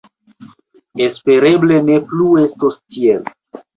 Espereble ne plu estos tiel.